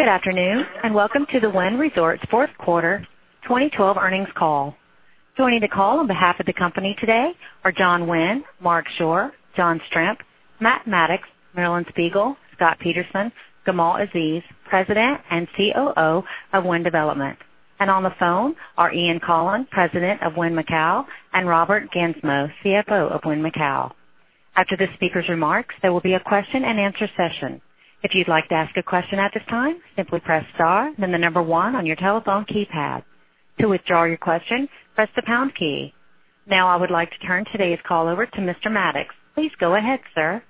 Good afternoon, and welcome to the Wynn Resorts fourth quarter 2012 earnings call. Joining the call on behalf of the company today are Steve Wynn, Marc Schorr, John Strzemp, Matt Maddox, Marilyn Spiegel, Scott Peterson, Gamal Aziz, President and COO of Wynn Development. On the phone are Ian Coughlan, President of Wynn Macau, and Robert Gansmo, CFO of Wynn Macau. After the speakers' remarks, there will be a question-and-answer session. If you'd like to ask a question at this time, simply press star, then the number one on your telephone keypad. To withdraw your question, press the pound key. Now I would like to turn today's call over to Mr. Maddox. Please go ahead, sir.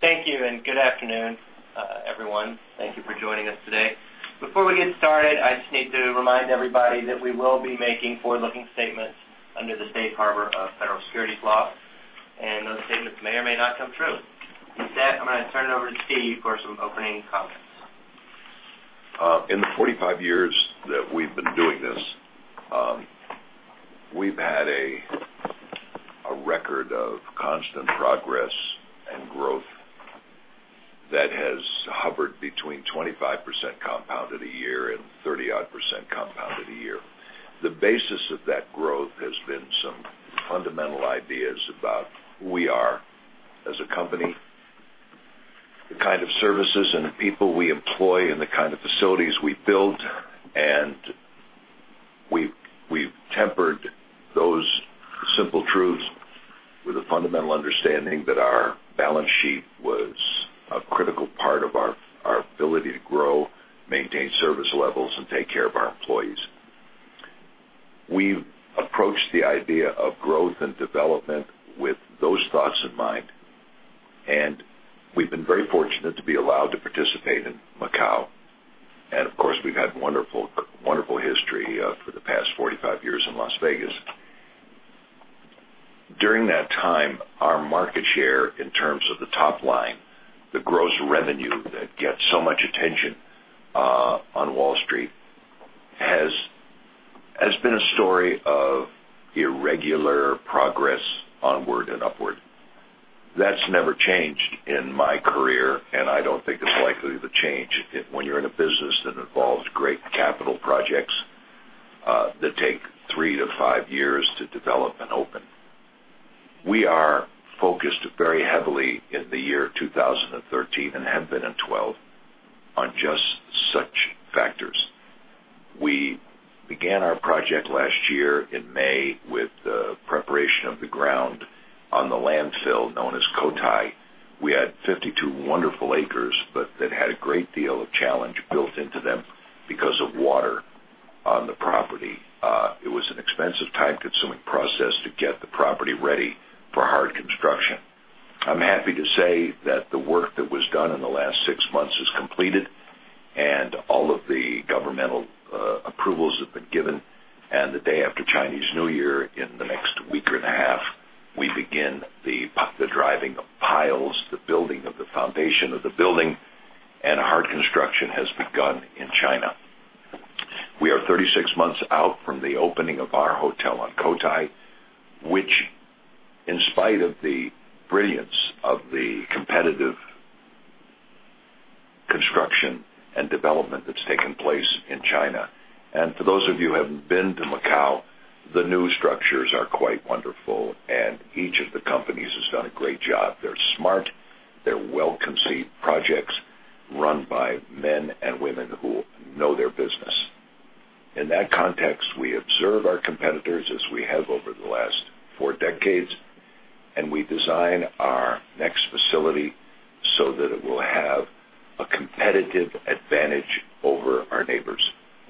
Thank you, good afternoon, everyone. Thank you for joining us today. Before we get started, I just need to remind everybody that we will be making forward-looking statements under the safe harbor of federal securities law, and those statements may or may not come true. I'm going to turn it over to Steve for some opening comments. In the 45 years that we've been doing this, we've had a record of constant progress and growth that has hovered between 25% compounded a year and 30-odd% compounded a year. The basis of that growth has been some fundamental ideas about who we are as a company, the kind of services and the people we employ, and the kind of facilities we build, and we've tempered those simple truths with a fundamental understanding that our balance sheet was a critical part of our ability to grow, maintain service levels, and take care of our employees. We've approached the idea of growth and development with those thoughts in mind, and we've been very fortunate to be allowed to participate in Macau. Of course, we've had wonderful history for the past 45 years in Las Vegas. During that time, our market share in terms of the top line, the gross revenue that gets so much attention on Wall Street, has been a story of irregular progress onward and upward. That's never changed in my career, and I don't think it's likely to change when you're in a business that involves great capital projects that take three to five years to develop and open. We are focused very heavily in the year 2013, and have been in 2012, on just such factors. We began our project last year in May with the preparation of the ground on the landfill known as Cotai. We had 52 wonderful acres, but that had a great deal of challenge built into them because of water on the property. It was an expensive, time-consuming process to get the property ready for hard construction. I'm happy to say that the work that was done in the last six months is completed. All of the governmental approvals have been given. The day after Chinese New Year, in the next week and a half, we begin the driving of piles, the building of the foundation of the building, and hard construction has begun in China. We are 36 months out from the opening of our hotel on Cotai, which in spite of the brilliance of the competitive construction and development that's taken place in China, and for those of you who haven't been to Macau, the new structures are quite wonderful, and each of the companies has done a great job. They're smart. They're well-conceived projects run by men and women who know their business. In that context, we observe our competitors as we have over the last four decades. We design our next facility so that it will have a competitive advantage over our neighbors,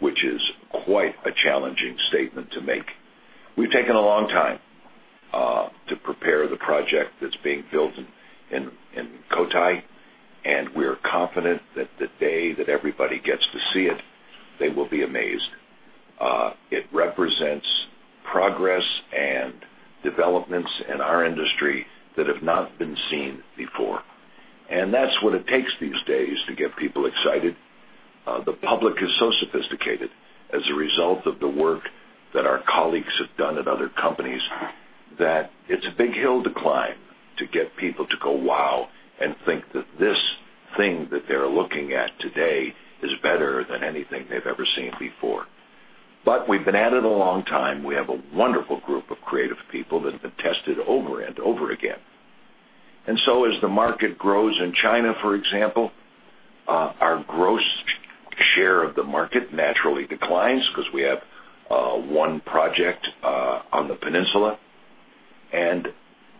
which is quite a challenging statement to make. We've taken a long time to prepare the project that's being built in Cotai, and we're confident that the day that everybody gets to see it, they will be amazed. It represents progress and developments in our industry that have not been seen before. That's what it takes these days to get people excited. The public is so sophisticated as a result of the work that our colleagues have done at other companies, that it's a big hill to climb to get people to go, "Wow." Think that this thing that they're looking at today is better than anything they've ever seen before. We've been at it a long time. We have a wonderful group of creative people that have been tested over and over again. As the market grows in China, for example, our gross share of the market naturally declines because we have one project on the peninsula, and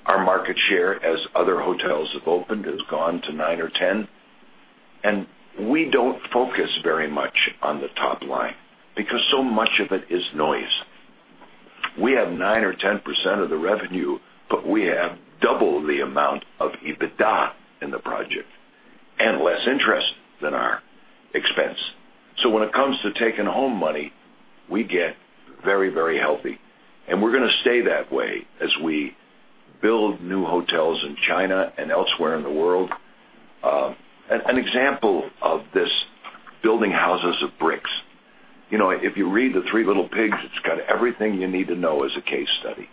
our market share, as other hotels have opened, has gone to nine or 10. We don't focus very much on the top line because so much of it is noise. We have nine or 10% of the revenue, but we have double the amount of EBITDA in the project and less interest than our expense. When it comes to taking home money, we get very, very healthy, and we're going to stay that way as we build new hotels in China and elsewhere in the world. An example of this, building houses of bricks. If you read the "Three Little Pigs," it's got everything you need to know as a case study.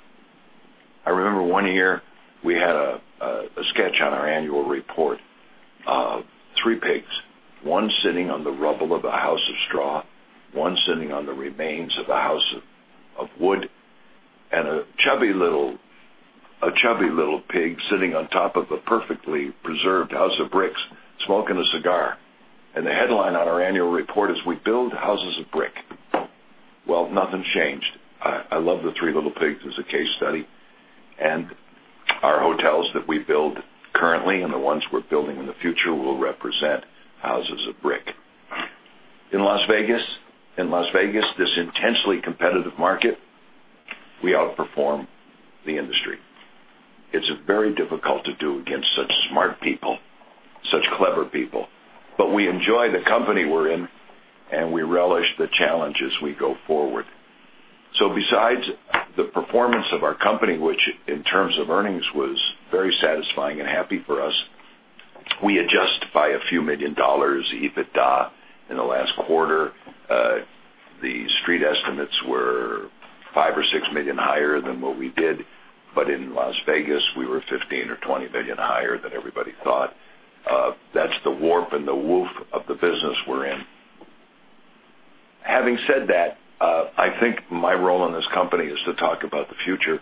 I remember one year we had a sketch on our annual report of three pigs, one sitting on the rubble of a house of straw, one sitting on the remains of a house of wood, and a chubby little pig sitting on top of a perfectly preserved house of bricks, smoking a cigar. The headline on our annual report is, "We build houses of brick." Well, nothing changed. I love the three little pigs as a case study, and our hotels that we build currently and the ones we're building in the future will represent houses of brick. In Las Vegas, this intensely competitive market, we outperform the industry. It's very difficult to do against such smart people, such clever people. We enjoy the company we're in, and we relish the challenge as we go forward. Besides the performance of our company, which in terms of earnings was very satisfying and happy for us, we adjust by a few million dollars EBITDA in the last quarter. The Street estimates were $5 million or $6 million higher than what we did. But in Las Vegas, we were $15 million or $20 million higher than everybody thought. That's the warp and the woof of the business we're in. Having said that, I think my role in this company is to talk about the future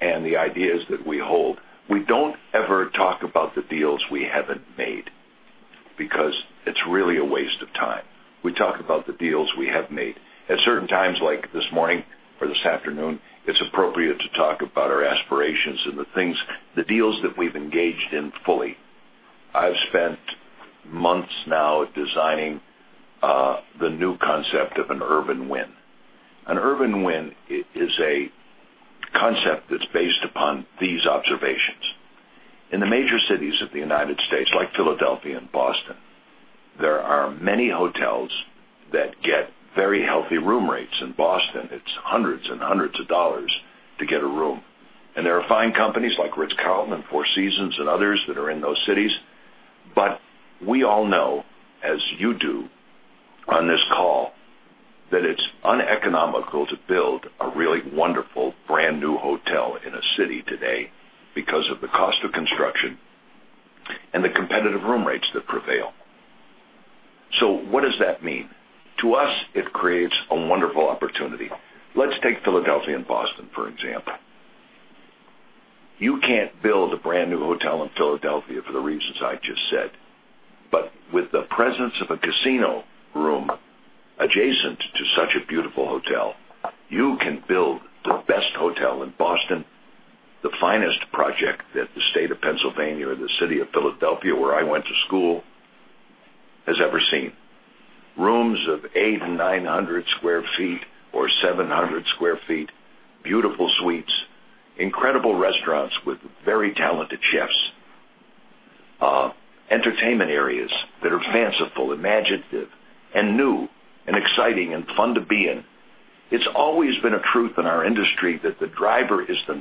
and the ideas that we hold. We don't ever talk about the deals we haven't made because it's really a waste of time. We talk about the deals we have made. At certain times like this morning or this afternoon, it's appropriate to talk about our aspirations and the things, the deals that we've engaged in fully. I've spent months now designing the new concept of an urban Wynn. An urban Wynn is a concept that's based upon these observations. In the major cities of the U.S., like Philadelphia and Boston, there are many hotels that get very healthy room rates. In Boston, it's hundreds and hundreds of dollars to get a room. And there are fine companies like The Ritz-Carlton, Four Seasons, and others that are in those cities. But we all know, as you do on this call, that it's uneconomical to build a really wonderful brand-new hotel in a city today because of the cost of construction and the competitive room rates that prevail. So what does that mean? To us, it creates a wonderful opportunity. Let's take Philadelphia and Boston, for example. You can't build a brand-new hotel in Philadelphia for the reasons I just said. But with the presence of a casino room adjacent to such a beautiful hotel, you can build the best hotel in Boston, the finest project that the state of Pennsylvania or the city of Philadelphia, where I went to school, has ever seen. Rooms of 800 to 900 sq ft or 700 sq ft, beautiful suites, incredible restaurants with very talented chefs, entertainment areas that are fanciful, imaginative, and new and exciting and fun to be in. It's always been a truth in our industry that the driver is the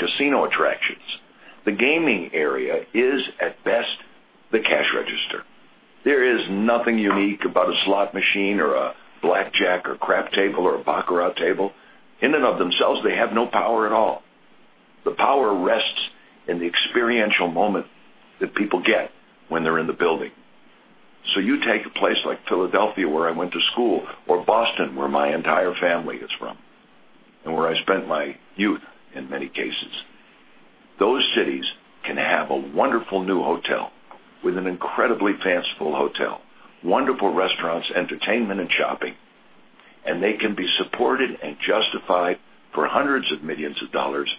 non-casino attractions. The gaming area is at best the cash register. There is nothing unique about a slot machine or a blackjack or crap table or a baccarat table. In and of themselves, they have no power at all. The power rests in the experiential moment that people get when they're in the building. You take a place like Philadelphia, where I went to school, or Boston, where my entire family is from, and where I spent my youth in many cases. Those cities can have a wonderful new hotel with an incredibly fanciful hotel, wonderful restaurants, entertainment, and shopping, and they can be supported and justified for hundreds of millions of dollars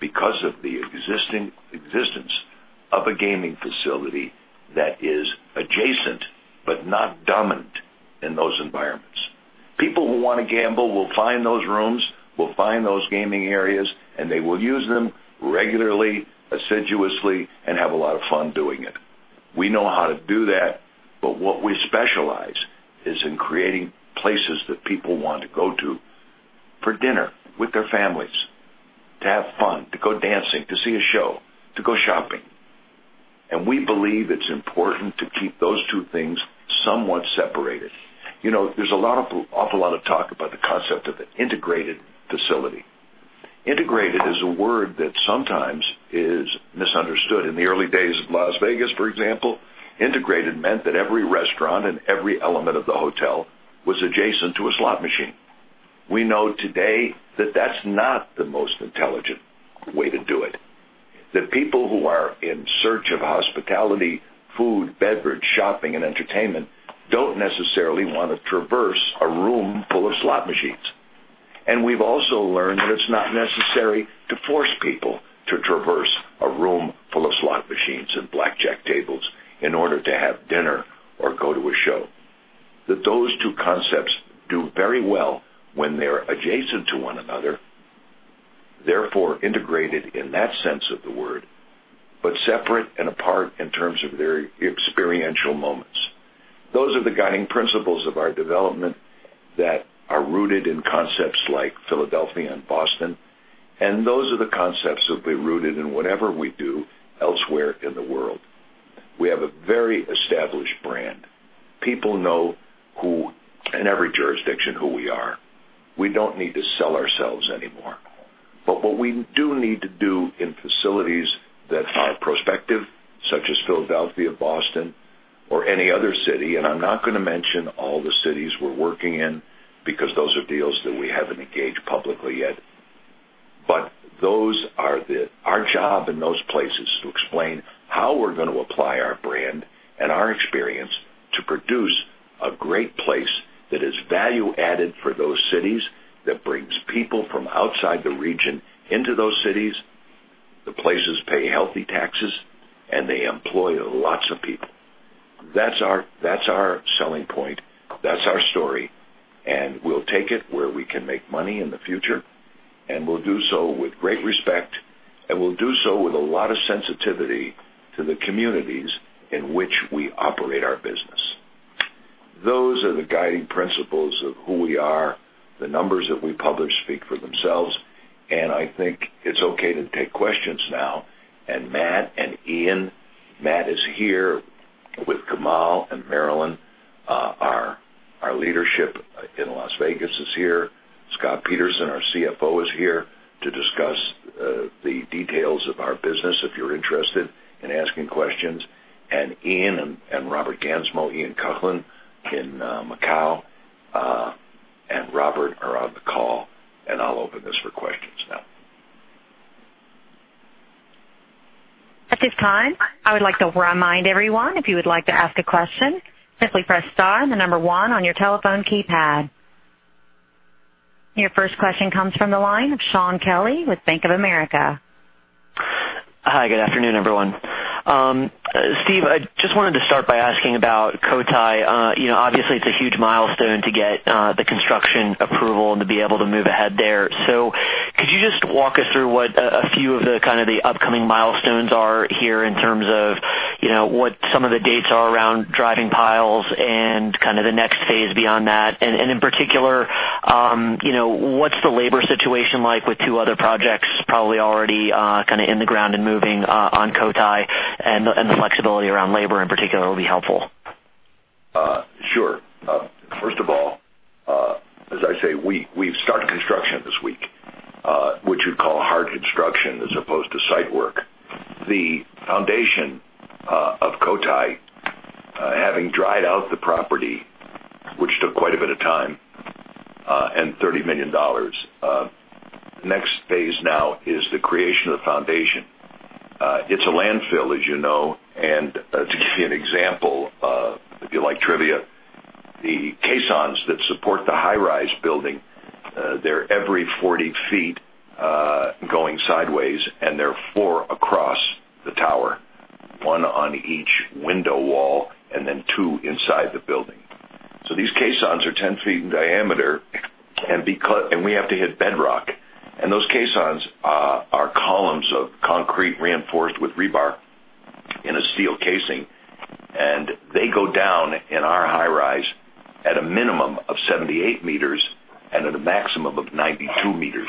because of the existence of a gaming facility that is adjacent but not dominant in those environments. People who want to gamble will find those rooms, will find those gaming areas, and they will use them regularly, assiduously, and have a lot of fun doing it. We know how to do that, but what we specialize is in creating places that people want to go to for dinner with their families, to have fun, to go dancing, to see a show, to go shopping. We believe it's important to keep those two things somewhat separated. There's an awful lot of talk about the concept of an integrated facility. Integrated is a word that sometimes is misunderstood. In the early days of Las Vegas, for example, integrated meant that every restaurant and every element of the hotel was adjacent to a slot machine. We know today that that's not the most intelligent way to do it. That people who are in search of hospitality, food, beverage, shopping, and entertainment don't necessarily want to traverse a room full of slot machines. We've also learned that it's not necessary to force people to traverse a room full of slot machines and blackjack tables in order to have dinner or go to a show. Those two concepts do very well when they're adjacent to one another, therefore integrated in that sense of the word, but separate and apart in terms of their experiential moments. Those are the guiding principles of our development that are rooted in concepts like Philadelphia and Boston. Those are the concepts that will be rooted in whatever we do elsewhere in the world. We have a very established brand. People know, in every jurisdiction, who we are. We don't need to sell ourselves anymore. What we do need to do in facilities that are prospective, such as Philadelphia, Boston, or any other city, I'm not going to mention all the cities we're working in because those are deals that we haven't engaged publicly yet. Our job in those places is to explain how we're going to apply our brand and our experience to produce a great place that is value added for those cities, that brings people from outside the region into those cities. The places pay healthy taxes. They employ lots of people. That's our selling point, that's our story. We'll take it where we can make money in the future. We'll do so with great respect. We'll do so with a lot of sensitivity to the communities in which we operate our business. Those are the guiding principles of who we are. The numbers that we publish speak for themselves. I think it's okay to take questions now. Matt and Ian. Matt is here with Gamal and Marilyn. Our leadership in Las Vegas is here. Scott Peterson, our CFO, is here to discuss the details of our business if you're interested in asking questions. Ian and Robert Gansmo. Ian Coughlan in Macau and Robert are on the call. I'll open this for questions now. At this time, I would like to remind everyone if you would like to ask a question, simply press star 1 on your telephone keypad. Your first question comes from the line of Shaun Kelley with Bank of America. Hi, good afternoon, everyone. Steve, I just wanted to start by asking about Cotai. Obviously, it's a huge milestone to get the construction approval and to be able to move ahead there. Could you just walk us through what a few of the kind of the upcoming milestones are here in terms of what some of the dates are around driving piles and kind of the next phase beyond that? In particular, what's the labor situation like with two other projects probably already kind of in the ground and moving on Cotai, and the flexibility around labor, in particular, will be helpful. Sure. First of all, as I say, we've started construction this week, which you'd call hard construction as opposed to site work. The foundation of Cotai, having dried out the property, which took quite a bit of time, and $30 million. The next phase now is the creation of the foundation. It's a landfill, as you know. To give you an example, if you like trivia, the caissons that support the high-rise building, they're every 40 feet going sideways, and they're four across the tower, one on each window wall and then two inside the building. These caissons are 10 feet in diameter, and we have to hit bedrock. Those caissons are columns of concrete reinforced with rebar in a steel casing, and they go down in our high-rise at a minimum of 78 meters and at a maximum of 92 meters.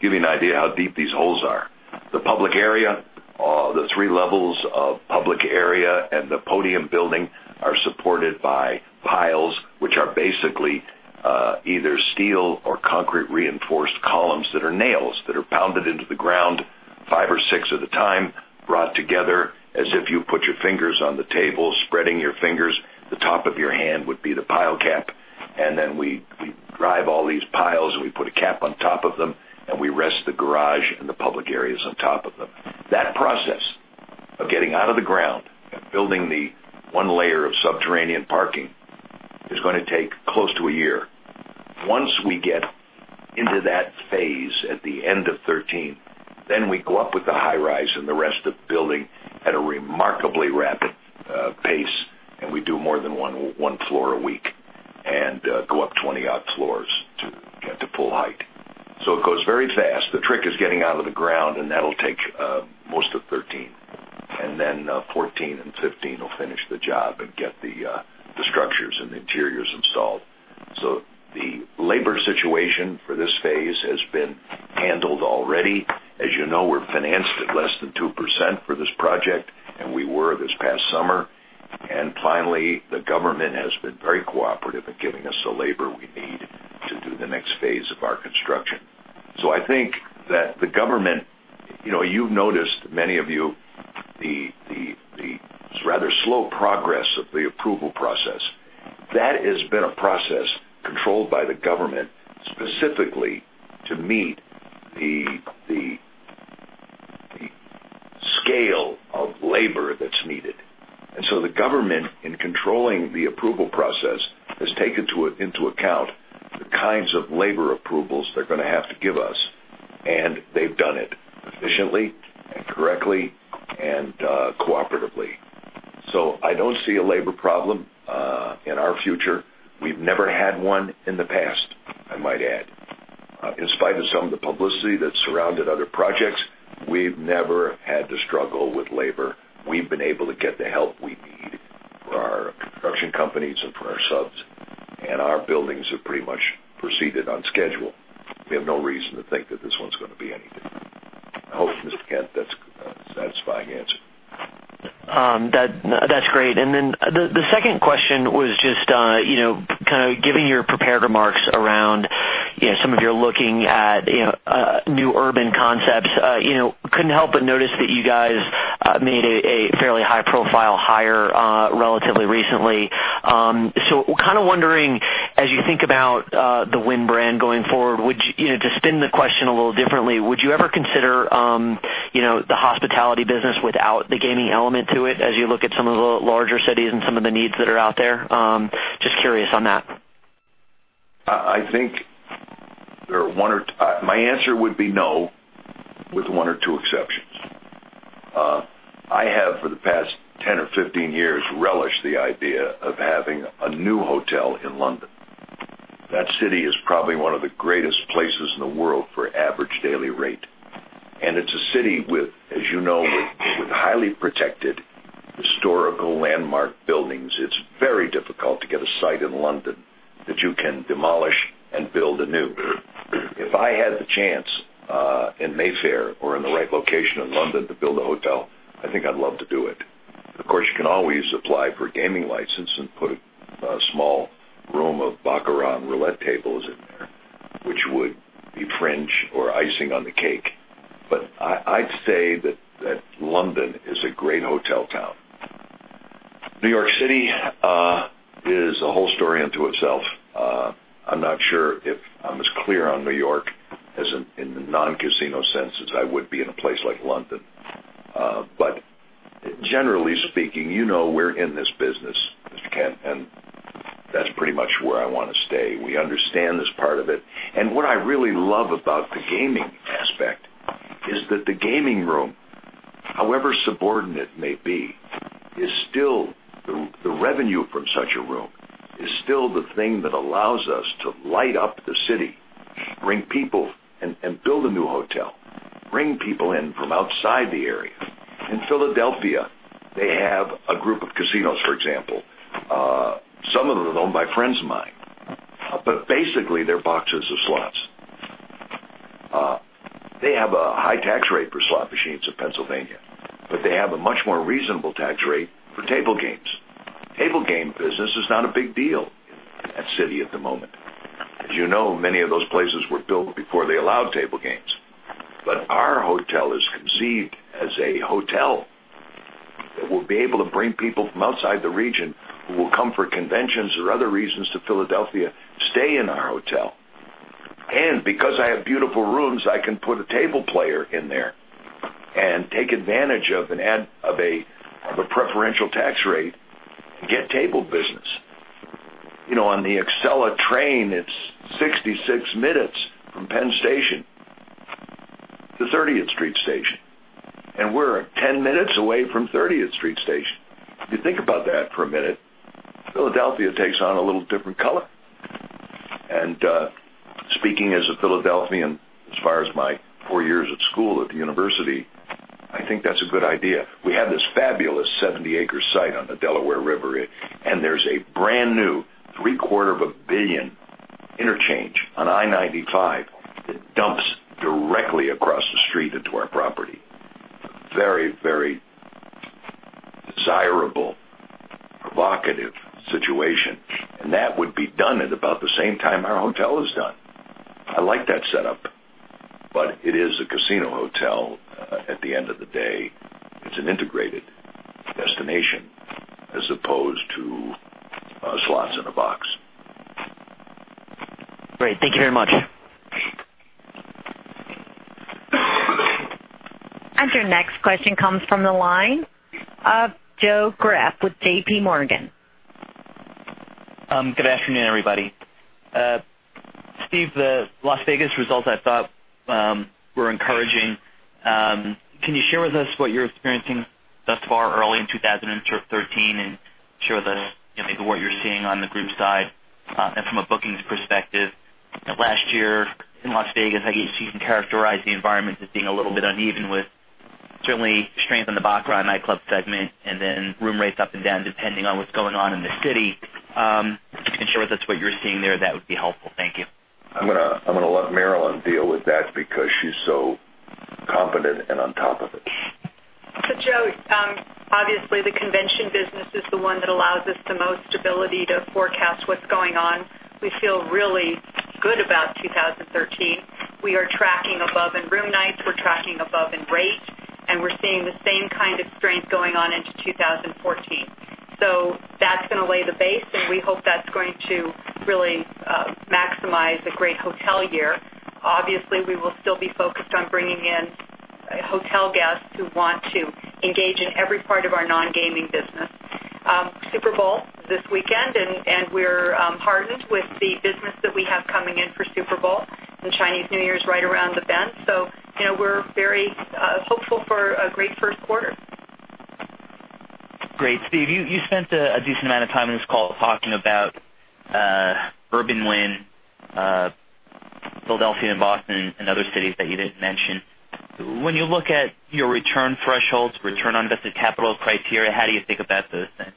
Give you an idea how deep these holes are. The three levels of public area and the podium building are supported by piles, which are basically either steel or concrete reinforced columns that are nails that are pounded into the ground, five or six at a time, brought together as if you put your fingers on the table, spreading your fingers. The top of your hand would be the pile cap, we drive all these piles, we put a cap on top of them, we rest the garage and the public areas on top of them. That process of getting out of the ground and building the one layer of subterranean parking is going to take close to a year. Once we get into that phase at the end of 2013, then we go up with the high rise and the rest of the building at a remarkably rapid pace, and we do more than one floor a week and go up 20 odd floors to get to full height. It goes very fast. The trick is getting out of the ground, and that will take most of 2013, then 2014 and 2015 will finish the job and get the structures and the interiors installed. The labor situation for this phase has been handled already. As you know, we are financed at less than 2% for this project, and we were this past summer. Finally, the government has been very cooperative in giving us the labor we need to do the next phase of our construction. I think that the government. You have noticed, many of you, the rather slow progress of the approval process. That has been a process controlled by the government specifically to meet the scale of labor that is needed. The government, in controlling the approval process, has taken into account the kinds of labor approvals they are going to have to give us, and they have done it efficiently and correctly and cooperatively. I do not see a labor problem in our future. We have never had one in the past, I might add. In spite of some of the publicity that surrounded other projects, we have never had to struggle with labor. We have been able to get the help we need. For our construction companies and for our subs, our buildings have pretty much proceeded on schedule. We have no reason to think that this one is going to be any different. I hope, Shaun Kelley, that is a satisfying answer. That is great. The second question was just, kind of giving your prepared remarks around some of your looking at new urban concepts, could not help but notice that you guys made a fairly high-profile hire relatively recently. Kind of wondering, as you think about the Wynn brand going forward, to spin the question a little differently, would you ever consider the hospitality business without the gaming element to it as you look at some of the larger cities and some of the needs that are out there? Just curious on that. My answer would be no, with one or two exceptions. I have, for the past 10 or 15 years, relished the idea of having a new hotel in London. That city is probably one of the greatest places in the world for average daily rate, and it's a city with, as you know, highly protected historical landmark buildings. It's very difficult to get a site in London that you can demolish and build anew. If I had the chance in Mayfair or in the right location in London to build a hotel, I think I'd love to do it. Of course, you can always apply for a gaming license and put a small room of baccarat and roulette tables in there, which would be fringe or icing on the cake. I'd say that London is a great hotel town. New York City is a whole story unto itself. I'm not sure if I'm as clear on New York in the non-casino sense as I would be in a place like London. Generally speaking, you know we're in this business, Shaun Kelley, and that's pretty much where I want to stay. We understand this part of it. What I really love about the gaming aspect is that the gaming room, however subordinate it may be, the revenue from such a room is still the thing that allows us to light up the city, bring people, and build a new hotel. Bring people in from outside the area. In Philadelphia, they have a group of casinos, for example. Some of them are owned by friends of mine. Basically, they're boxes of slots. They have a high tax rate for slot machines in Pennsylvania, but they have a much more reasonable tax rate for table games. Table game business is not a big deal in that city at the moment. As you know, many of those places were built before they allowed table games. Our hotel is conceived as a hotel that will be able to bring people from outside the region who will come for conventions or other reasons to Philadelphia, stay in our hotel. Because I have beautiful rooms, I can put a table player in there and take advantage of a preferential tax rate and get table business. On the Acela train, it's 66 minutes from Penn Station to 30th Street Station, and we're 10 minutes away from 30th Street Station. If you think about that for a minute, Philadelphia takes on a little different color. Speaking as a Philadelphian, as far as my four years at school at the university, I think that's a good idea. We have this fabulous 70-acre site on the Delaware River. There's a brand-new three-quarter of a billion interchange on I-95 that dumps directly across the street into our property. Very desirable, provocative situation. That would be done at about the same time our hotel is done. I like that setup, but it is a casino hotel at the end of the day. It's an integrated destination as opposed to slots in a box. Great. Thank you very much. Your next question comes from the line of Joe Greff with J.P. Morgan. Good afternoon, everybody. Steve, the Las Vegas results I thought were encouraging. Can you share with us what you're experiencing thus far early in 2013, and share with us maybe what you're seeing on the group side and from a bookings perspective? Last year in Las Vegas, I guess you can characterize the environment as being a little bit uneven, with certainly strength in the baccarat and nightclub segment, and then room rates up and down, depending on what's going on in the city. If you can share with us what you're seeing there, that would be helpful. Thank you. I'm going to let Marilyn deal with that because she's so competent and on top of it. Joe Greff, obviously, the convention business is the one that allows us the most ability to forecast what's going on. We feel really good about 2013. We are tracking above in room nights, we're tracking above in rate, and we're seeing the same kind of strength going on into 2014. That's going to lay the base, and we hope that's going to really maximize a great hotel year. Obviously, we will still be focused on bringing in hotel guests who want to engage in every part of our non-gaming business. Super Bowl is this weekend, and we're heartened with the business that we have coming in for Super Bowl, and Chinese New Year is right around the bend. We're very hopeful for a great first quarter. Great. Steve, you spent a decent amount of time on this call talking about urban Wynn Philadelphia and Boston and other cities that you didn't mention. When you look at your return thresholds, return on invested capital criteria, how do you think about those things?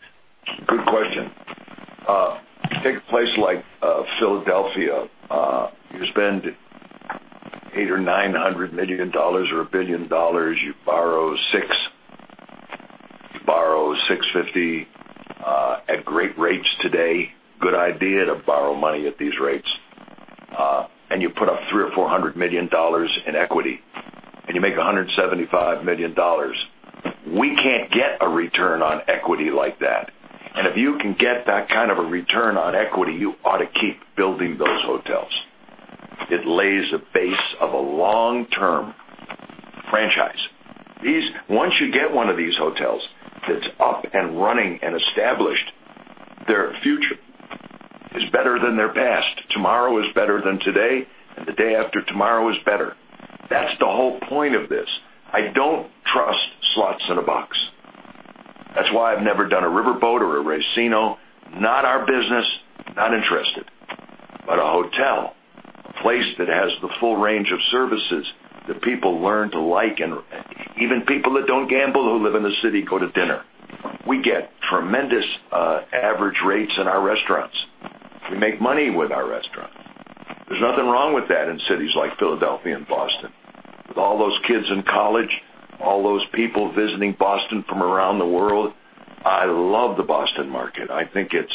Good question. Take a place like Philadelphia. You spend $800 million or $900 million or $1 billion. You borrow $650 at great rates today. Good idea to borrow money at these rates. You put up $300 million or $400 million in equity, and you make $175 million. We can't get a return on equity like that. If you can get that kind of a return on equity, you ought to keep building those hotels. It lays a base of a long-term franchise. Once you get one of these hotels that's up and running and established, their future is better than their past. Tomorrow is better than today, and the day after tomorrow is better. That's the whole point of this. I don't trust slots in a box. That's why I've never done a riverboat or a racino, not our business. Not interested. A hotel, a place that has the full range of services that people learn to like, and even people that don't gamble who live in the city go to dinner. We get tremendous average rates in our restaurants. We make money with our restaurants. There's nothing wrong with that in cities like Philadelphia and Boston. With all those kids in college, all those people visiting Boston from around the world. I love the Boston market. I think it's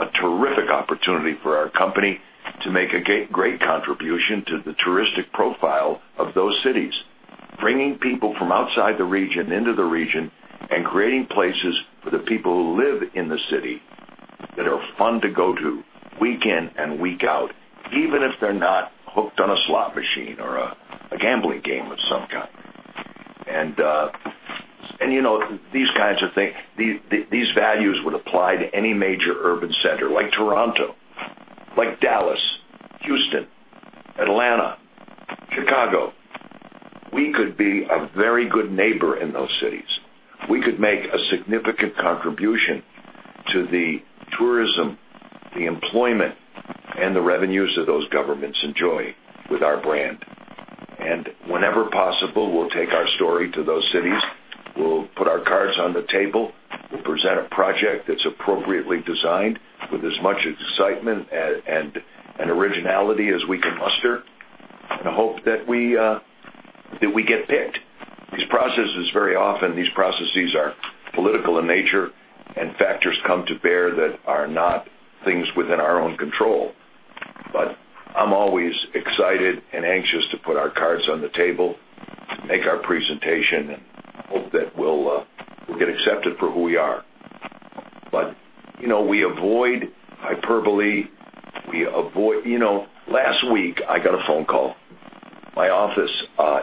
a terrific opportunity for our company to make a great contribution to the touristic profile of those cities, bringing people from outside the region into the region and creating places for the people who live in the city that are fun to go to week in and week out, even if they're not hooked on a slot machine or a gambling game of some kind. These values would apply to any major urban center like Toronto, like Dallas, Houston, Atlanta, Chicago. We could be a very good neighbor in those cities. We could make a significant contribution to the tourism, the employment, and the revenues that those governments enjoy with our brand. Whenever possible, we'll take our story to those cities. We'll put our cards on the table. We'll present a project that's appropriately designed with as much excitement and originality as we can muster, and hope that we get picked. These processes very often are political in nature, and factors come to bear that are not things within our own control. I'm always excited and anxious to put our cards on the table, make our presentation, and hope that we'll get accepted for who we are. We avoid hyperbole. Last week, I got a phone call. My office,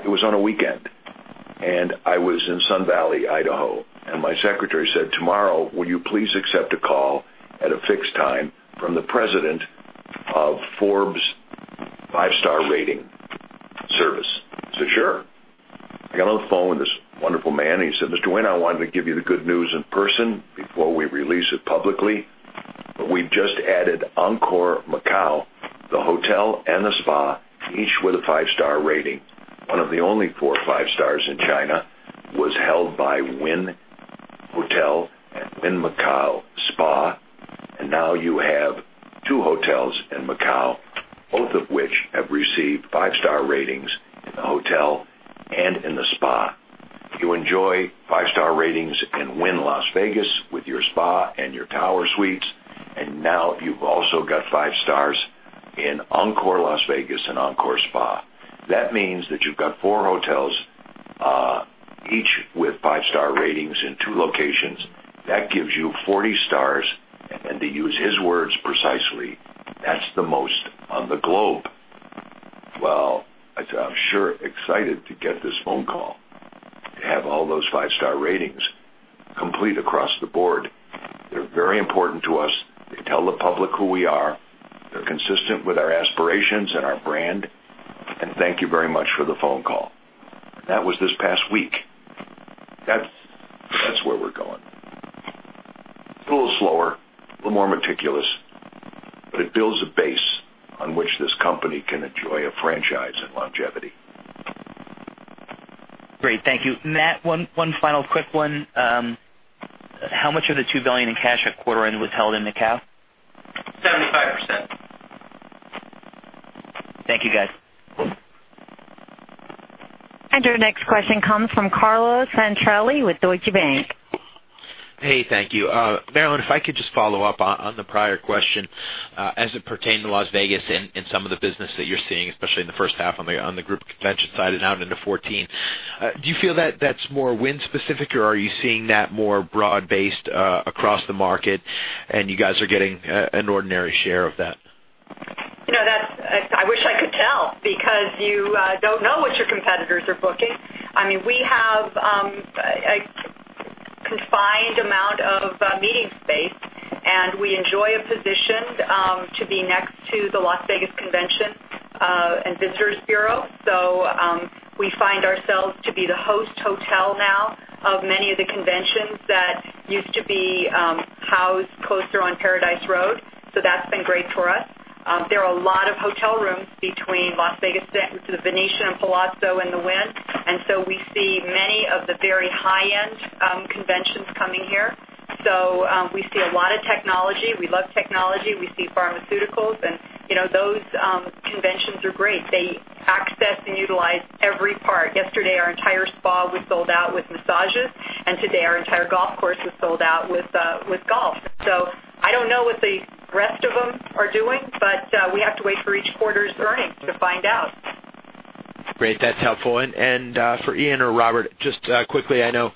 it was on a weekend, and I was in Sun Valley, Idaho, and my secretary said, "Tomorrow, will you please accept a call at a fixed time from the president of Forbes Five-Star rating service?" I said, "Sure." I got on the phone with this wonderful man, and he said, "Mr. Wynn, I wanted to give you the good news in person before we release it publicly. We just added Encore Macau, the hotel, and the spa, each with a Five-Star rating. One of the only four Five-Stars in China was held by Wynn Hotel and Wynn Macau Spa. Now you have two hotels in Macau, both of which have received Five-Star ratings in the hotel and in the spa. You enjoy Five-Star ratings in Wynn Las Vegas with your spa and your tower suites, and now you've also got Five-Stars in Encore Las Vegas and Encore Spa. That means that you've got four hotels, each with Five-Star ratings in two locations. That gives you 40 Stars," to use his words precisely, "That's the most on the globe." I said, "I'm sure excited to get this phone call, to have all those Five-Star ratings complete across the board. They're very important to us. They tell the public who we are. They're consistent with our aspirations and our brand. Thank you very much for the phone call." That was this past week. That's where we're going. A little slower, a little more meticulous, but it builds a base on which this company can enjoy a franchise and longevity. Great. Thank you. Matt, one final quick one. How much of the $2 billion in cash at quarter end was held in Macau? 75%. Thank you, guys. Your next question comes from Carlo Santarelli with Deutsche Bank. Hey, thank you. Marilyn, if I could just follow up on the prior question, as it pertained to Las Vegas and some of the business that you're seeing, especially in the first half on the group convention side and now into 2014. Do you feel that that's more Wynn specific, or are you seeing that more broad-based across the market and you guys are getting an ordinary share of that? I wish I could tell because you don't know what your competitors are booking. We have a confined amount of meeting space, and we enjoy a position to be next to the Las Vegas Convention and Visitors Authority. We find ourselves to be the host hotel now of many of the conventions that used to be housed closer on Paradise Road. That's been great for us. There are a lot of hotel rooms between Las Vegas, The Venetian and The Palazzo, and the Wynn. We see many of the very high-end conventions coming here. We see a lot of technology. We love technology. We see pharmaceuticals, and those conventions are great. They access and utilize every part. Yesterday, our entire spa was sold out with massages, and today our entire golf course is sold out with golf. I don't know what the rest of them are doing, but we have to wait for each quarter's earnings to find out. Great. That's helpful. For Ian or Robert, just quickly, I know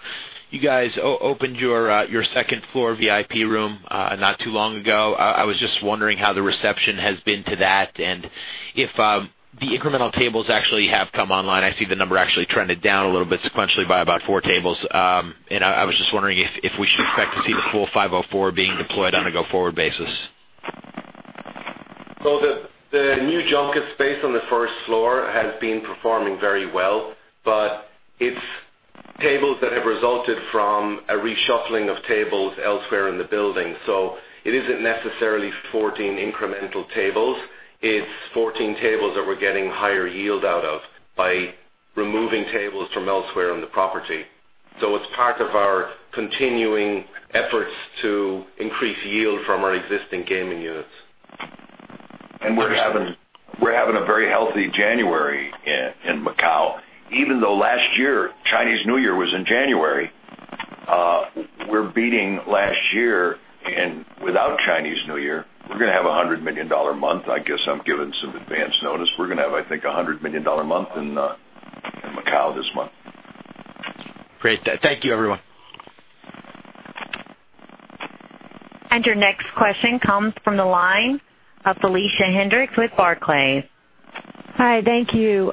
you guys opened your second-floor VIP room not too long ago. I was just wondering how the reception has been to that, and if the incremental tables actually have come online. I see the number actually trended down a little bit sequentially by about four tables. I was just wondering if we should expect to see the full 504 being deployed on a go-forward basis. The new junket space on the first floor has been performing very well, but it's tables that have resulted from a reshuffling of tables elsewhere in the building. It isn't necessarily 14 incremental tables. It's 14 tables that we're getting higher yield out of by removing tables from elsewhere on the property. It's part of our continuing efforts to increase yield from our existing gaming units. We're having a very healthy January in Macau. Even though last year, Chinese New Year was in January, we're beating last year, and without Chinese New Year. We're going to have $100 million month. I guess I'm given some advance notice. We're going to have, I think, $100 million month in Macau this month. Great. Thank you, everyone. Your next question comes from the line of Felicia Hendrix with Barclays. Hi. Thank you.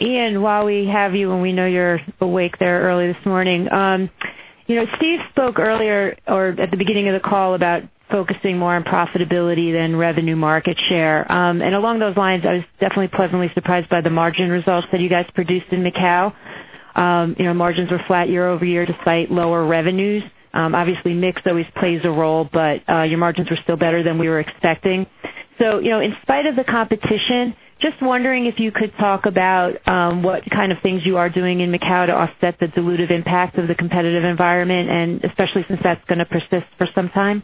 Ian, while we have you, and we know you're awake there early this morning. Steve spoke earlier, or at the beginning of the call, about focusing more on profitability than revenue market share. Along those lines, I was definitely pleasantly surprised by the margin results that you guys produced in Macau. Margins were flat year-over-year despite lower revenues. Obviously, mix always plays a role, but your margins were still better than we were expecting. In spite of the competition, just wondering if you could talk about what kind of things you are doing in Macau to offset the dilutive impact of the competitive environment, and especially since that's going to persist for some time.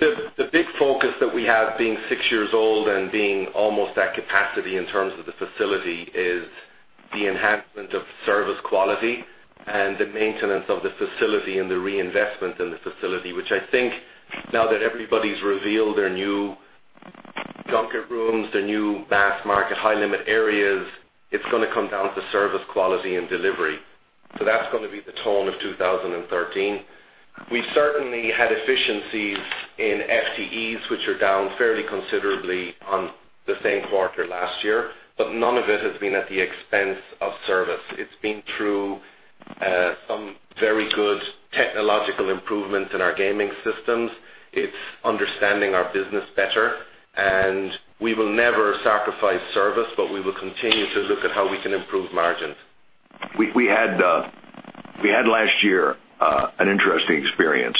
The big focus that we have, being six years old and being almost at capacity in terms of the facility, is the enhancement of service quality and the maintenance of the facility and the reinvestment in the facility, which I think now that everybody's revealed their new junket rooms, their new mass-market high-limit areas, it's going to come down to service quality and delivery. That's going to be the tone of 2013. We've certainly had efficiencies in FTEs, which are down fairly considerably on the same quarter last year, but none of it has been at the expense of service. It's been through some very good technological improvements in our gaming systems. It's understanding our business better. We will never sacrifice service, but we will continue to look at how we can improve margins. We had last year an interesting experience.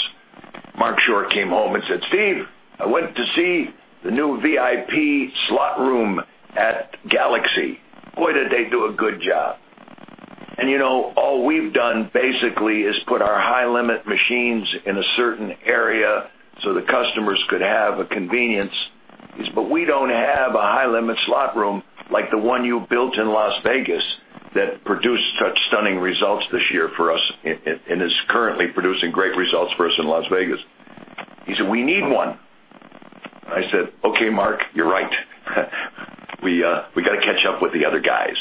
Marc Schorr came home and said, "Steve, I went to see the new VIP slot room at Galaxy. Boy, did they do a good job." All we've done basically is put our high-limit machines in a certain area so the customers could have a convenience. He said, "We don't have a high-limit slot room like the one you built in Las Vegas that produced such stunning results this year for us and is currently producing great results for us in Las Vegas." He said, "We need one." I said, "Okay, Marc, you're right. We got to catch up with the other guys."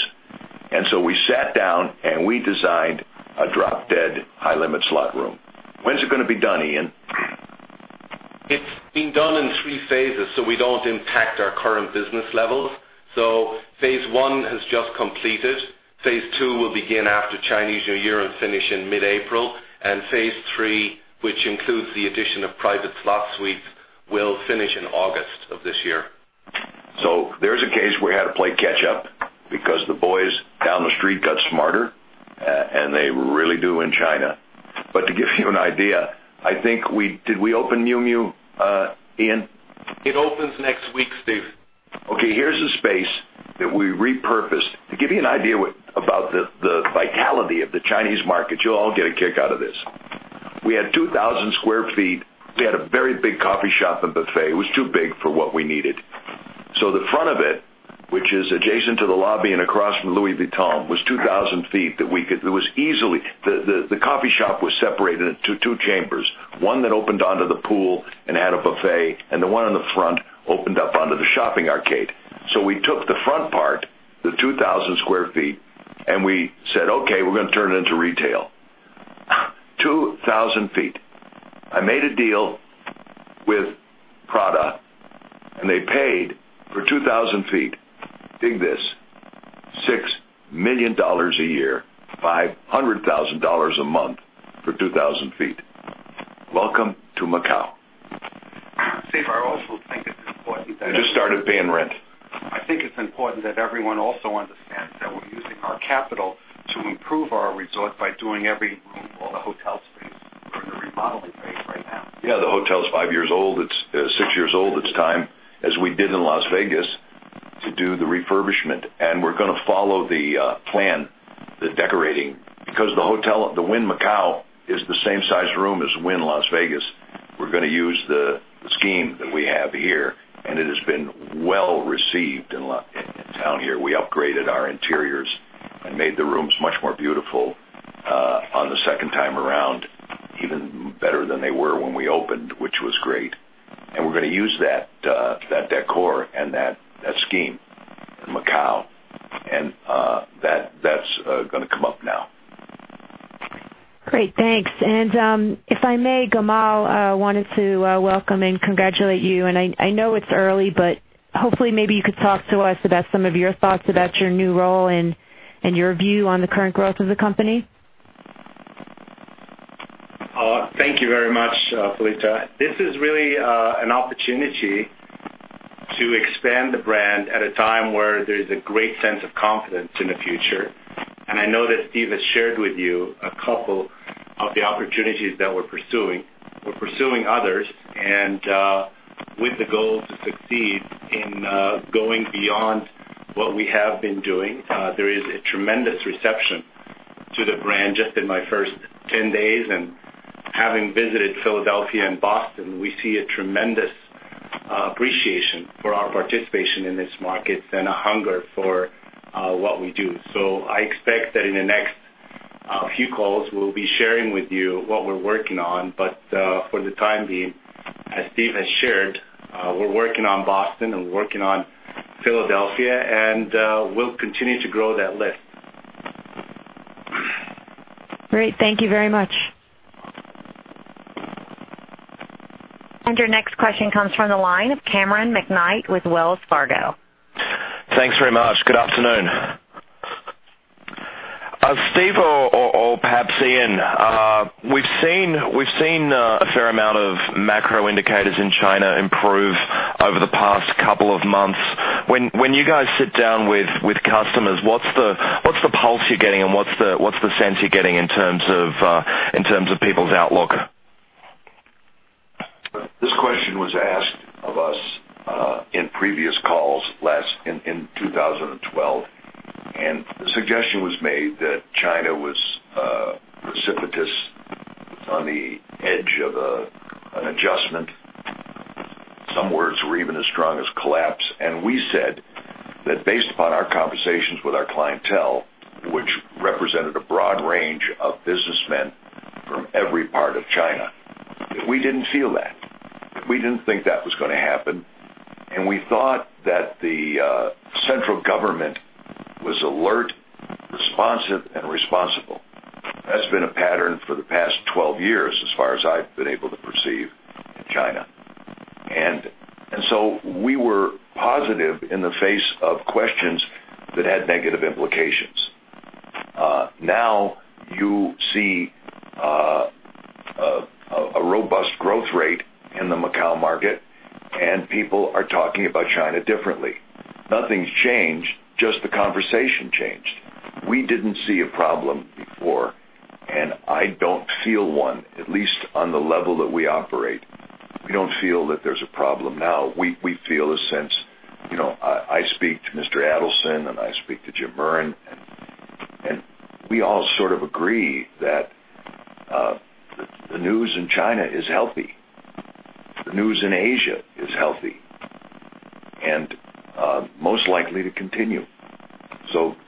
We sat down, and we designed a drop-dead high-limit slot room. When's it going to be done, Ian? It's being done in three phases, so we don't impact our current business levels. Phase 1 has just completed. Phase 2 will begin after Chinese New Year and finish in mid-April. Phase 3, which includes the addition of private slot suites, will finish in August of this year. There's a case where we had to play catch up because the boys down the street got smarter, they really do in China. To give you an idea, I think we-- Did we open Miu Miu, Ian? It opens next week, Steve. Okay. Here's a space that we repurposed. To give you an idea about the vitality of the Chinese market, you'll all get a kick out of this. We had 2,000 sq ft. We had a very big coffee shop and buffet. It was too big for what we needed. The front of it, which is adjacent to the lobby and across from Louis Vuitton, was 2,000 sq ft. The coffee shop was separated into two chambers, one that opened onto the pool and had a buffet, and the one in the front opened up onto the shopping arcade. We took the front part, the 2,000 sq ft, and we said, "Okay, we're going to turn it into retail." 2,000 sq ft. I made a deal with Prada, and they paid for 2,000 sq ft. Dig this, $6 million a year, $500,000 a month for 2,000 sq ft. Welcome to Macau. Steve, I also think it's important that. We just started paying rent. I think it's important that everyone also understands that we're using our capital to improve our resort by doing every room, all the hotel space. We're in a remodeling phase right now. Yeah, the hotel's six years old. It's time, as we did in Las Vegas, to do the refurbishment. We're going to follow the plan, the decorating. Because the hotel, the Wynn Macau, is the same size room as Wynn Las Vegas, we're going to use the scheme that we have here, and it has been well-received in town here. We upgraded our interiors and made the rooms much more beautiful on the second time around, even better than they were when we opened, which was great. We're going to use that decor and that scheme in Macau, and that's going to come up now. Great, thanks. If I may, Gamal, I wanted to welcome and congratulate you, and I know it's early, but hopefully, maybe you could talk to us about some of your thoughts about your new role and your view on the current growth of the company. Thank you very much, Felicia. This is really an opportunity to expand the brand at a time where there's a great sense of confidence in the future. I know that Steve has shared with you a couple of the opportunities that we're pursuing. We're pursuing others, and with the goal to succeed in going beyond what we have been doing. There is a tremendous reception to the brand. Just in my first 10 days and having visited Philadelphia and Boston, we see a tremendous appreciation for our participation in these markets and a hunger for what we do. I expect that in the next few calls, we'll be sharing with you what we're working on. For the time being, as Steve has shared, we're working on Boston and we're working on Philadelphia, and we'll continue to grow that list. Great. Thank you very much. Your next question comes from the line of Cameron McKnight with Wells Fargo. Thanks very much. Good afternoon. Steve or perhaps Ian. We've seen a fair amount of macro indicators in China improve over the past couple of months. When you guys sit down with customers, what's the pulse you're getting and what's the sense you're getting in terms of people's outlook? This question was asked of us in previous calls in 2012, and the suggestion was made that China was precipitous, on the edge of an adjustment. Some words were even as strong as collapse. We said that based upon our conversations with our clientele, which represented a broad range of businessmen from every part of China, that we didn't feel that. We didn't think that was going to happen. We thought that the central government was alert, responsive, and responsible. That's been a pattern for the past 12 years, as far as I've been able to perceive in China. We were positive in the face of questions that had negative implications. Now you see a robust growth rate in the Macau market, and people are talking about China differently. Nothing's changed, just the conversation changed. We didn't see a problem before, and I don't feel one, at least on the level that we operate. We don't feel that there's a problem now. We feel a sense. I speak to Mr. Adelson, and I speak to James Murren, and we all sort of agree that the news in China is healthy. The news in Asia is healthy and most likely to continue.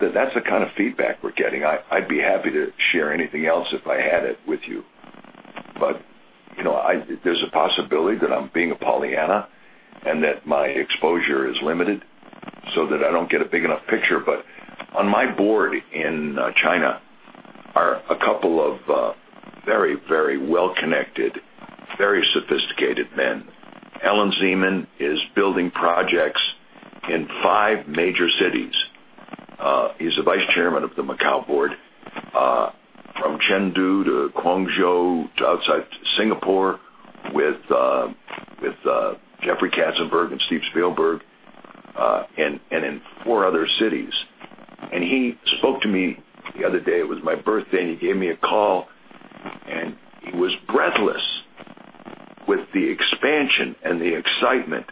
That's the kind of feedback we're getting. I'd be happy to share anything else, if I had it, with you. There's a possibility that I'm being a Pollyanna and that my exposure is limited so that I don't get a big enough picture. On my board in China are a couple of very well-connected, very sophisticated men. Allan Zeman is building projects in five major cities. He's the vice chairman of the Macau board. From Chengdu to Guangzhou to outside Singapore with Jeffrey Katzenberg and Steven Spielberg, and in four other cities. He spoke to me the other day. It was my birthday, and he gave me a call, and he was breathless with the expansion and the excitement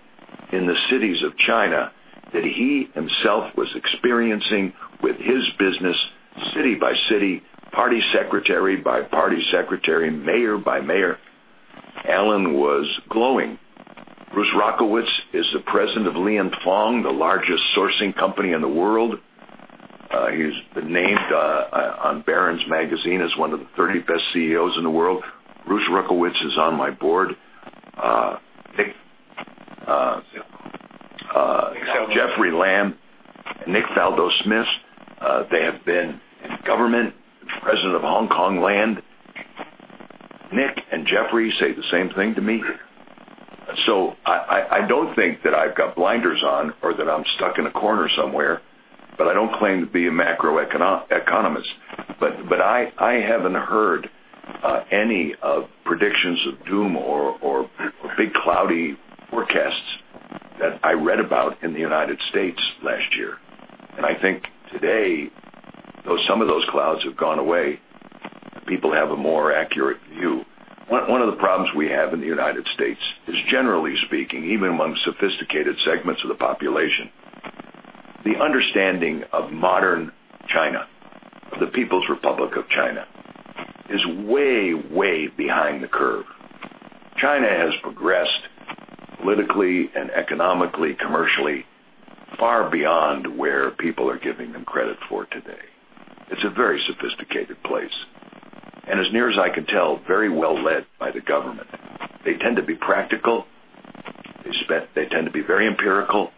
in the cities of China that he himself was experiencing with his business, city by city, party secretary by party secretary, mayor by mayor. Allan was glowing. Bruce Rockowitz is the president of Li & Fung, the largest sourcing company in the world. He's been named on Barron's magazine as one of the 30 best CEOs in the world. Bruce Rockowitz is on my board. Zeman. Jeffrey Lam and Nick Sallnow-Smith, they have been in government, President of Hongkong Land. Nick and Jeffrey say the same thing to me. I don't think that I've got blinders on or that I'm stuck in a corner somewhere. I don't claim to be a macroeconomist. I haven't heard any predictions of doom or big cloudy forecasts that I read about in the U.S. last year. I think today, though some of those clouds have gone away, people have a more accurate view. One of the problems we have in the U.S. is generally speaking, even among sophisticated segments of the population, the understanding of modern China, of the People's Republic of China, is way behind the curve. China has progressed politically and economically, commercially far beyond where people are giving them credit for today. It's a very sophisticated place, and as near as I can tell, very well led by the government. They tend to be practical. They tend to be very empirical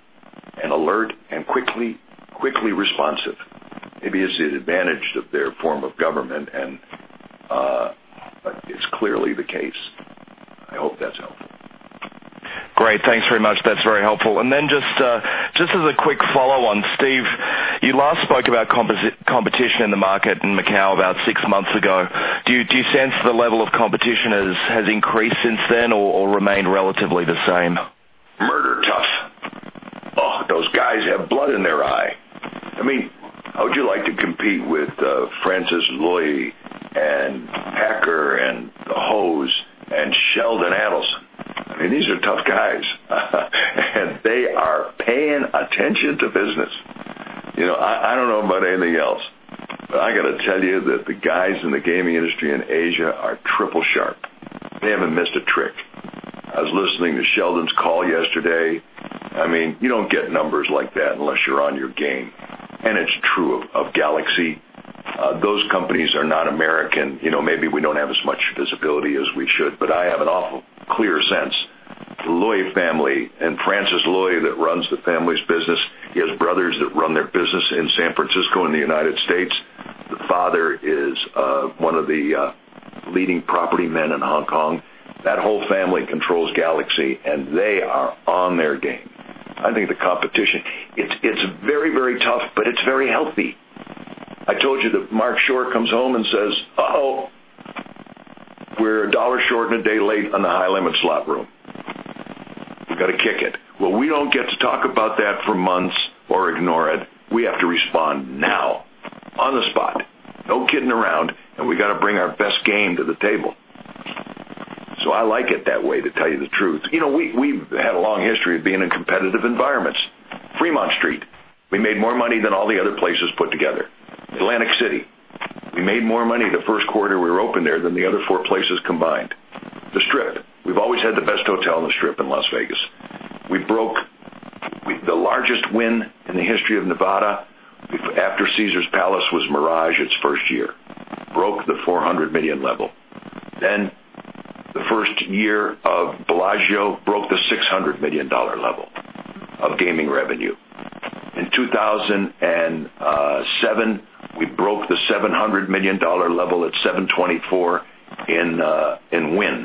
and alert and quickly responsive. Maybe it's the advantage of their form of government, but it's clearly the case. I hope that's helpful. Great. Thanks very much. That's very helpful. Just as a quick follow-on, Steve, you last spoke about competition in the market in Macau about six months ago. Do you sense the level of competition has increased since then or remained relatively the same? Murder tough. Oh, those guys have blood in their eye. How would you like to compete with Francis Lui and Packer and the Hos and Sheldon Adelson? I mean, these are tough guys, and they are paying attention to business. I don't know about anything else, but I got to tell you that the guys in the gaming industry in Asia are triple sharp. They haven't missed a trick. I was listening to Sheldon's call yesterday. I mean, you don't get numbers like that unless you're on your game, and it's true of Galaxy. Those companies are not American. Maybe we don't have as much visibility as we should, but I have an awful clear sense. The Lui family and Francis Lui that runs the family's business, he has brothers that run their business in San Francisco, in the United States. The father is one of the leading property men in Hong Kong. That whole family controls Galaxy, and they are on their game. I think the competition, it's very tough, but it's very healthy. I told you that Marc Schorr comes home and says, "Uh-oh, we're a dollar short and a day late on the high limit slot room. We've got to kick it." Well, we don't get to talk about that for months or ignore it. We have to respond now, on the spot. No kidding around, and we got to bring our best game to the table. I like it that way, to tell you the truth. We've had a long history of being in competitive environments. Fremont Street, we made more money than all the other places put together. Atlantic City, we made more money the first quarter we were open there than the other four places combined. The Strip, we've always had the best hotel on the Strip in Las Vegas. The largest Wynn in the history of Nevada, after Caesars Palace, was Mirage its first year. Broke the $400 million level. The first year of Bellagio broke the $600 million level of gaming revenue. In 2007, we broke the $700 million level at $724 million in Wynn.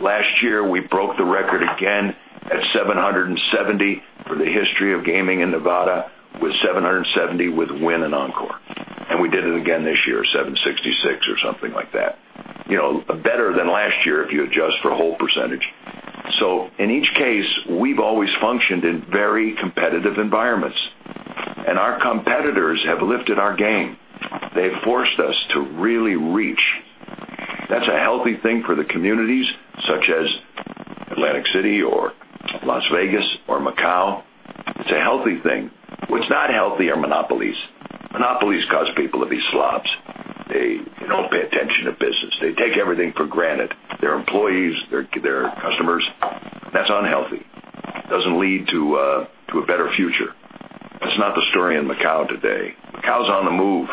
Last year, we broke the record again at $770 million for the history of gaming in Nevada with $770 million with Wynn and Encore. We did it again this year, $766 million or something like that. Better than last year if you adjust for a whole percent. In each case, we've always functioned in very competitive environments, and our competitors have lifted our game. They've forced us to really reach. That's a healthy thing for the communities such as Atlantic City or Las Vegas or Macau. It's a healthy thing. What's not healthy are monopolies. Monopolies cause people to be slobs. They don't pay attention to business. They take everything for granted, their employees, their customers. That's unhealthy. Doesn't lead to a better future. That's not the story in Macau today. Macau's on the move.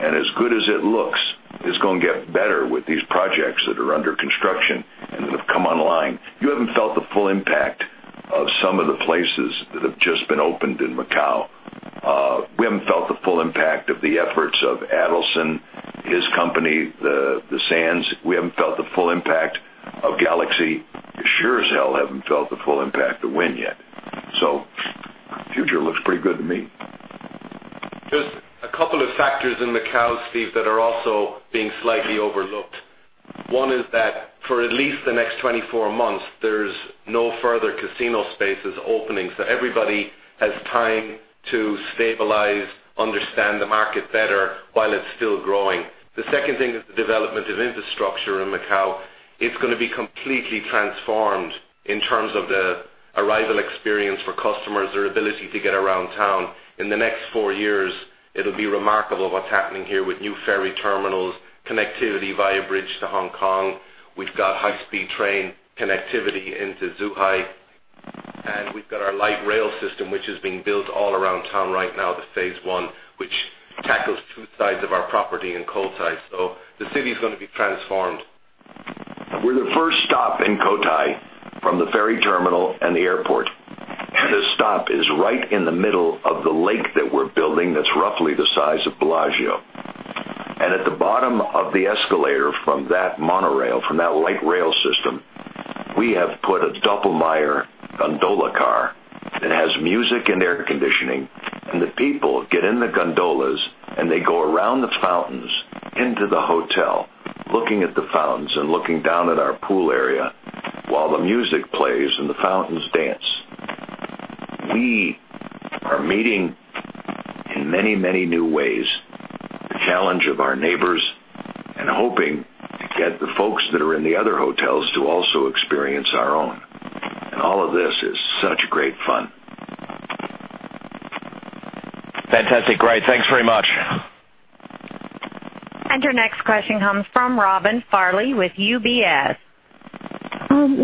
As good as it looks, it's going to get better with these projects that are under construction and that have come online. You haven't felt the full impact of some of the places that have just been opened in Macau. We haven't felt the full impact of the efforts of Adelson, his company, the Sands. We haven't felt the full impact of Galaxy. We sure as hell haven't felt the full impact of Wynn yet. The future looks pretty good to me. Just a couple of factors in Macau, Steve, that are also being slightly overlooked. One is that for at least the next 24 months, there's no further casino spaces opening, so everybody has time to stabilize, understand the market better while it's still growing. The second thing is the development of infrastructure in Macau. It's going to be completely transformed in terms of the arrival experience for customers, their ability to get around town. In the next four years, it'll be remarkable what's happening here with new ferry terminals, connectivity via bridge to Hong Kong. We've got high-speed train connectivity into Zhuhai, and we've got our light rail system, which is being built all around town right now, the phase 1, which tackles two sides of our property in Cotai. The city is going to be transformed. We're the first stop in Cotai from the ferry terminal and the airport, the stop is right in the middle of the lake that we're building that's roughly the size of Bellagio. At the bottom of the escalator from that monorail, from that light rail system, we have put a Doppelmayr gondola car that has music and air conditioning. The people get in the gondolas and they go around the fountains into the hotel, looking at the fountains and looking down at our pool area while the music plays and the fountains dance. We are meeting, in many new ways, the challenge of our neighbors and hoping to get the folks that are in the other hotels to also experience our own. All of this is such great fun. Fantastic. Great. Thanks very much. Your next question comes from Robin Farley with UBS.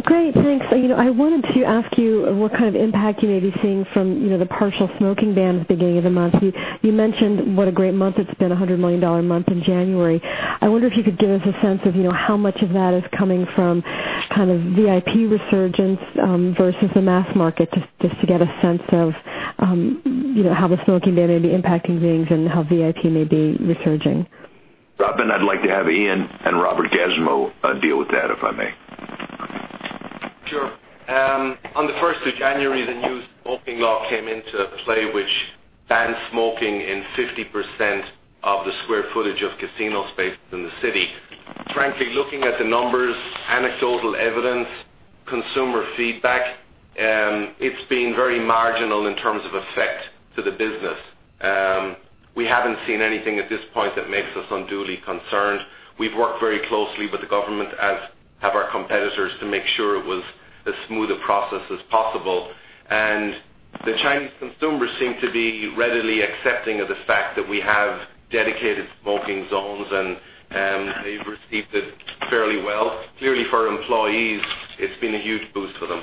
Great. Thanks. I wanted to ask you what kind of impact you may be seeing from the partial smoking ban at the beginning of the month. You mentioned what a great month it's been, a $100 million month in January. I wonder if you could give us a sense of how much of that is coming from kind of VIP resurgence, versus the mass market, just to get a sense of how the smoking ban may be impacting things and how VIP may be resurging. Robin, I'd like to have Ian and Robert Gansmo deal with that, if I may. Sure. On the 1st of January, the new smoking law came into play, which bans smoking in 50% of the square footage of casino spaces in the city. Frankly, looking at the numbers, anecdotal evidence, consumer feedback, it's been very marginal in terms of effect to the business. We haven't seen anything at this point that makes us unduly concerned. We've worked very closely with the government, as have our competitors, to make sure it was as smooth a process as possible. The Chinese consumers seem to be readily accepting of the fact that we have dedicated smoking zones, and they've received it fairly well. Clearly, for employees, it's been a huge boost for them.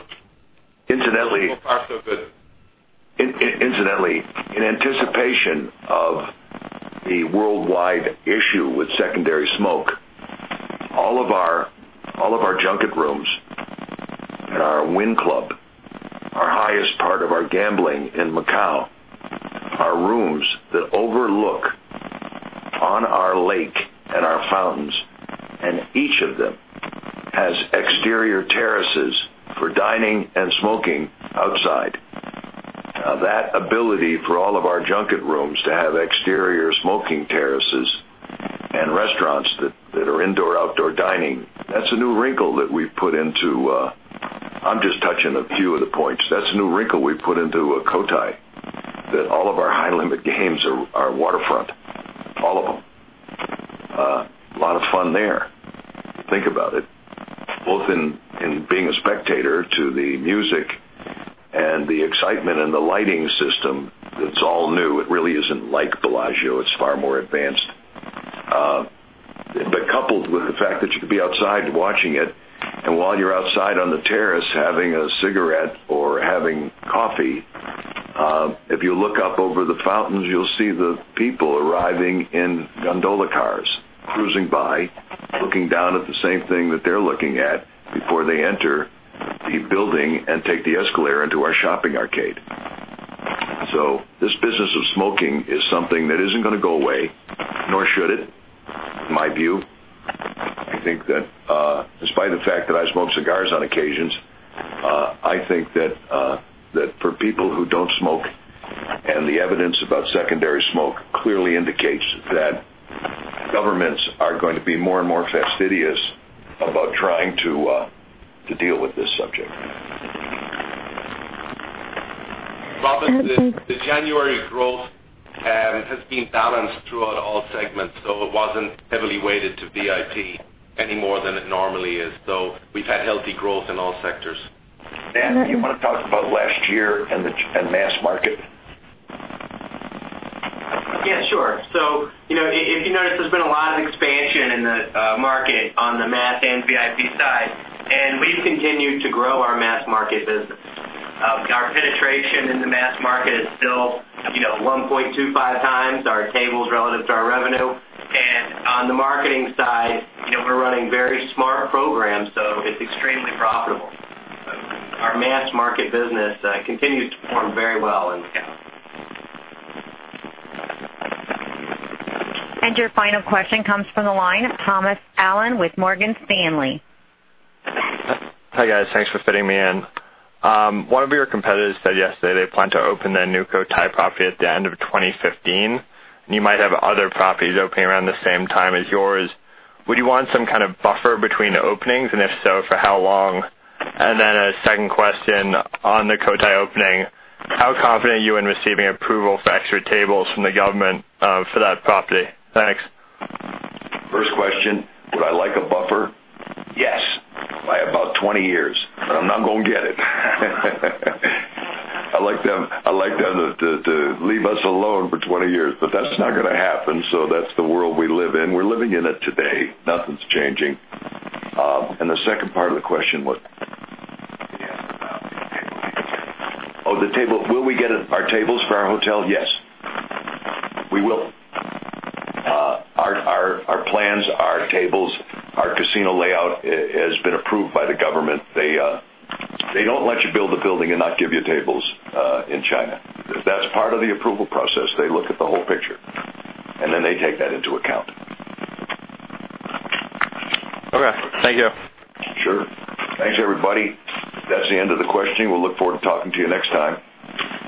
Incidentally- A small part of it. Incidentally, in anticipation of the worldwide issue with secondary smoke, all of our junket rooms in our Wynn Club, our highest part of our gambling in Macau, are rooms that overlook on our lake and our fountains, and each of them has exterior terraces for dining and smoking outside. That ability for all of our junket rooms to have exterior smoking terraces and restaurants that are indoor-outdoor dining, that's a new wrinkle we've put into Cotai, that all of our high-limit games are waterfront. All of them. A lot of fun there. Think about it. Both in being a spectator to the music and the excitement and the lighting system that's all new. It really isn't like Bellagio. It's far more advanced. Coupled with the fact that you could be outside watching it, and while you're outside on the terrace having a cigarette or having coffee, if you look up over the fountains, you'll see the people arriving in gondola cars, cruising by, looking down at the same thing that they're looking at before they enter the building and take the escalator into our shopping arcade. This business of smoking is something that isn't going to go away, nor should it, in my view. I think that, despite the fact that I smoke cigars on occasions, I think that for people who don't smoke, and the evidence about secondary smoke clearly indicates that governments are going to be more and more fastidious about trying to deal with this subject. Okay, thanks. Robin, the January growth has been balanced throughout all segments, it wasn't heavily weighted to VIP any more than it normally is. We've had healthy growth in all sectors. Matt, do you want to talk about last year and mass market? Yeah, sure. If you notice, there's been a lot of expansion in the market on the mass and VIP side, and we've continued to grow our mass market business. Our penetration in the mass market is still 1.25 times our tables relative to our revenue. On the marketing side, we're running very smart programs, so it's extremely profitable. Our mass market business continues to perform very well in Macau. Your final question comes from the line of Thomas Allen with Morgan Stanley. Hi, guys. Thanks for fitting me in. One of your competitors said yesterday they plan to open their new Cotai property at the end of 2015, and you might have other properties opening around the same time as yours. Would you want some kind of buffer between the openings? If so, for how long? A second question on the Cotai opening. How confident are you in receiving approval for extra tables from the government for that property? Thanks. First question, would I like a buffer? Yes, by about 20 years, but I'm not going to get it. I'd like to have them to leave us alone for 20 years, but that's not going to happen, so that's the world we live in. We're living in it today. Nothing's changing. The second part of the question, what? Yeah, about the tables. Oh, the table. Will we get our tables for our hotel? Yes. We will. Our plans, our tables, our casino layout has been approved by the government. They don't let you build a building and not give you tables in China. That's part of the approval process. They look at the whole picture, and then they take that into account. Okay. Thank you. Sure. Thanks, everybody. That's the end of the questioning. We'll look forward to talking to you next time.